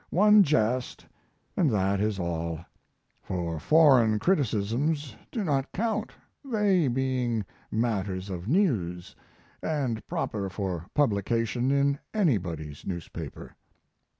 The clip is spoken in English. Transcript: One jest, and that is all; for foreign criticisms do not count, they being matters of news, and proper for publication in anybody's newspaper....